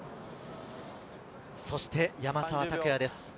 そして山沢拓也です。